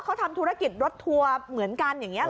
เขาทำธุรกิจรถทัวร์เหมือนกันอย่างนี้